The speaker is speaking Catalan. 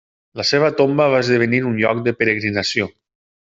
La seva tomba va esdevenir un lloc de peregrinació.